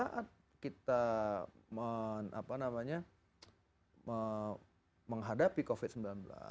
jadi pada saat kita menghadapi covid sembilan belas